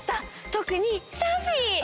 とくにサフィー！